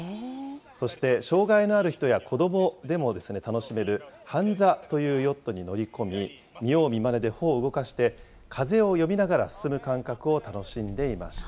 そして障害のある人や子どもでも楽しめるハンザというヨットに乗り込み、見よう見まねで帆を動かして、風を読みながら進む感覚を楽しんでいました。